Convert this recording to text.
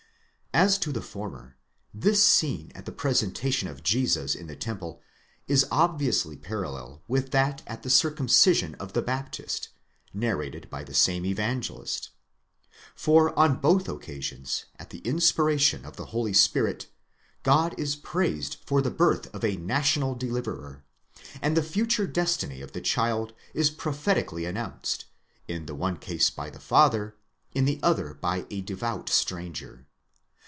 As to the former, this scene at the presentation of Jesus in the temple is obviously parallel with that at the circumcision of the Baptist, narrated by the same evangelist; for on both occasions, at the inspiration of the Holy Spirit, God is praised for the birth of a national deliverer, and the future destiny of the child is prophetically announced, in the one case by the father, in the other by a devout stranger.